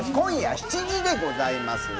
今夜７時でございます。